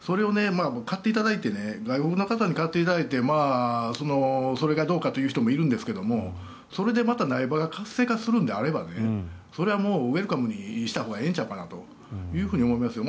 それを外国の方に買っていただいてそれがどうかという人もいるんですけどそれでまた苗場が活性化するのであればそれはもうウェルカムにしたほうがええんちゃうかなと思いますね。